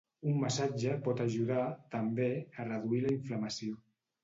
Un massatge pot ajudar, també, a reduir la inflamació.